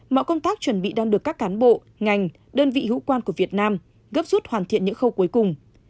mọi công tác chuẩn bị đang được các cán bộ ngành đơn vị hữu quan của việt nam gấp rút hoàn thiện những khâu cuối cùng